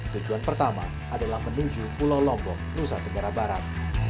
tujuan pertama adalah menuju pulau lombok nusa tenggara barat